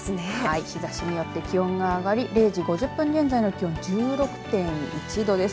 日ざしによって気温が上がり０時５０分現在の気温は１６．１度です。